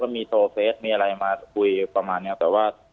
มีโทรเฟสมีอะไรมาคุยประมาณนี้แต่ว่า